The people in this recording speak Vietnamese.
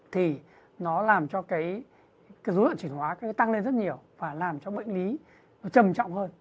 thì nó làm cho cái dụng đoạn chỉnh hóa tăng lên rất nhiều và làm cho bệnh lý nó trầm trọng hơn